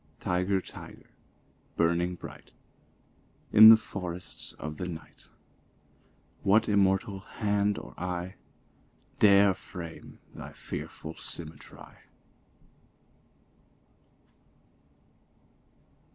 Tyger! Tyger! burning bright In the forests of the night, What immortal hand or eye Dare frame thy fearful symmetry?